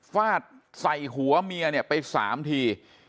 ฟาดใส่หัวเมียไปสามที